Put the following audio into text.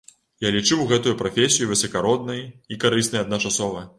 Я лічыў гэтую прафесію і высакароднай, і карыснай адначасова.